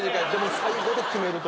最後で決めるという。